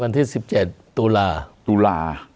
วันที่๑๗ตุลา